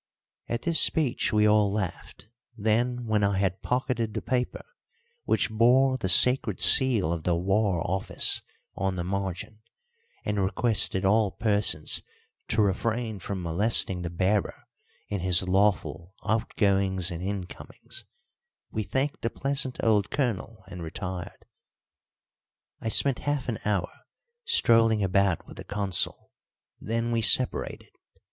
At this speech we all laughed; then when I had pocketed the paper, which bore the sacred seal of the War Office on the margin and requested all persons to refrain from molesting the bearer in his lawful outgoings and incomings, we thanked the pleasant old Colonel and retired. I spent half an hour strolling about with the Consul, then we separated.